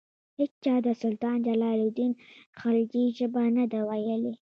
هیچا د سلطان جلال الدین خلجي ژبه نه ده ویلي.